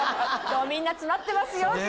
みんな詰まってますよ